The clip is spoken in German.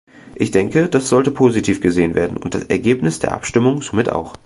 Ich denke, das sollte positiv gesehen werden und das Ergebnis der Abstimmung somit auch.